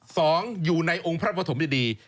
สองอยู่ในองค์พระพระสมทร์ที่ดี